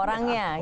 orangnya gitu ya